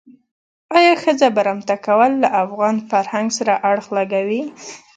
آیا ښځه برمته کول له افغان فرهنګ سره اړخ لګوي.